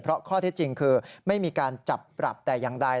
เพราะข้อเท็จจริงคือไม่มีการจับปรับแต่อย่างใด